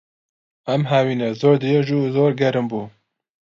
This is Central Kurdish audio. ئەم هاوینە زۆر درێژ و زۆر گەرم بوو.